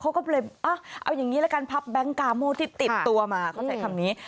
เขาก็เลยเอาอย่างนี้ละกันพับแบงค์กาโม่ที่ติดตัวมาเขาใช้คำนี้